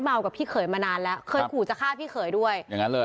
กับพี่เขยมานานแล้วเคยขู่จะฆ่าพี่เขยด้วยอย่างนั้นเลย